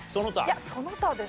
いやその他です。